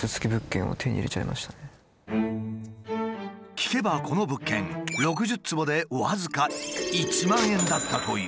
聞けばこの物件６０坪で僅か１万円だったという。